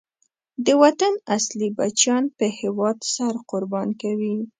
د وطن اصلی بچیان په هېواد سر قربان کوي.